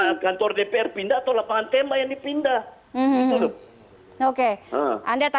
lapangan kantor dpr pindah atau lapangan tembak yang dipindah itu loh